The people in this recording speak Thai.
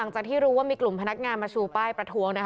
จากที่รู้ว่ามีกลุ่มพนักงานมาชูป้ายประท้วง